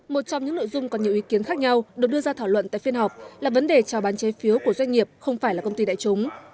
một trong những nội dung còn nhiều ý kiến khác nhau được đưa ra thảo luận tại phiên họp là vấn đề trào bán chế phiếu của doanh nghiệp không phải là công ty đại chúng